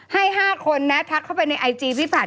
ให้๕คนนะทักเข้าไปในไอจีพี่ผัด